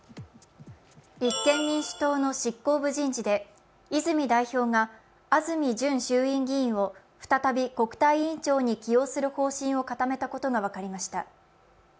立憲民主党の執行部人事で泉代表が安住淳衆院議員を再び国対委員長に起用する方針を固めたことが分かりました。